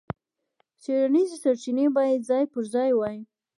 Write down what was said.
څېړنیزې سرچینې باید ځای پر ځای وای.